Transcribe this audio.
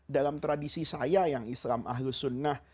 dalam tradisi saya yang islam ahlus sunnah